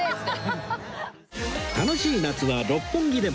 楽しい夏は六本木でも